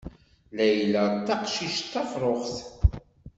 Layla d taqcict tafṛuxt.